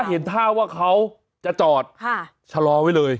เห็นท่าว่าเขาจะจอดชะลอไว้เลย